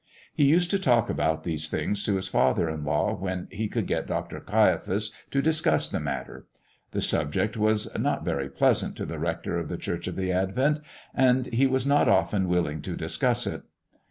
He used to talk about these things to his father in law when he could get Dr. Caiaphas to discuss the matter. The subject was one not very pleasant to the rector of the Church of the Advent, and he was not often willing to discuss it.